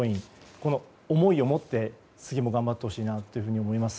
この思いを持って次も頑張ってほしいと思います。